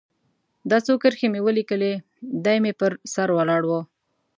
دا څو کرښې مې ولیکلې، دی مې پر سر ولاړ و.